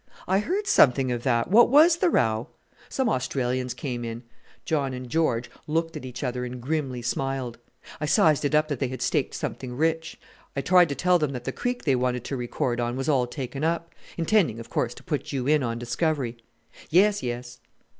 "I heard something of that. What was the row?" "Some Australians came in." John and George looked at each other and grimly smiled. "I sized it up that they had staked something rich. I tried to tell them that the creek they wanted to record on was all taken up intending, of course, to put you in on discovery." "Yes, yes."